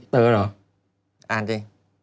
เต๋อเหรอ